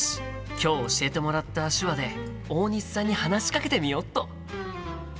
今日教えてもらった手話で大西さんに話しかけてみよっと！